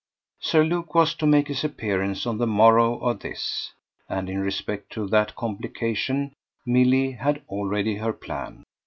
Sir Luke was to make his appearance on the morrow of this, and in respect to that complication Milly had already her plan.